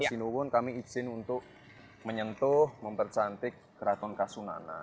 sinuwun kami izin untuk menyentuh mempercantik kratonkasunanan